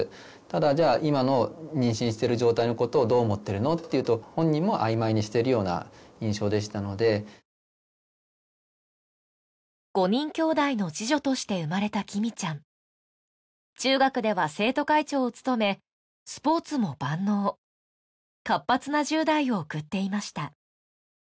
ただじゃあ今の妊娠している状態のことをどう思ってるの？って言うと本人もあいまいにしてるような印象でしたので５人きょうだいの次女として生まれたきみちゃん中学では生徒会長を務めスポーツも万能活発な１０代を送っていました